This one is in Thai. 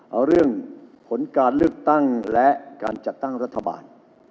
เอาเรื่องผลการเลือกตั้งและการจัดตั้งรัฐบาล